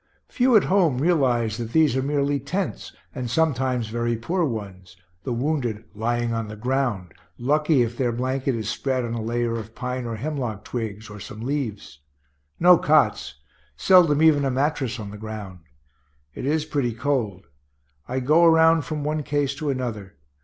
Few at home realize that these are merely tents, and sometimes very poor ones, the wounded lying on the ground, lucky if their blanket is spread on a layer of pine or hemlock twigs, or some leaves. No cots; seldom even a mattress on the ground. It is pretty cold. I go around from one case to another.